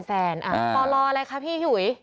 แซนอ่าพอรออะไรคะพี่หยุย